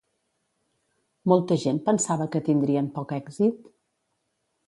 Molta gent pensava que tindrien poc èxit?